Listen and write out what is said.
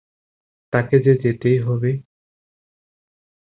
তাকে যে যেতেই হবে।